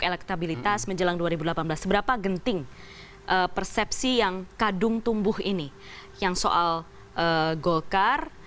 elektabilitas menjelang dua ribu delapan belas seberapa genting persepsi yang kadung tumbuh ini yang soal golkar